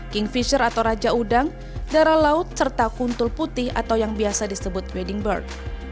king fisher atau raja udang darah laut serta kuntul putih atau yang biasa disebut wedding bird